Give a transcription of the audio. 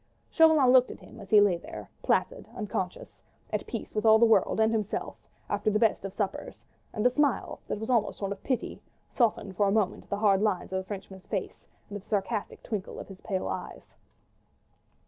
Chauvelin looked at him as he lay there, placid, unconscious, at peace with all the world and himself, after the best of suppers, and a smile, that was almost one of pity, softened for a moment the hard lines of the Frenchman's face and the sarcastic twinkle of his pale eyes.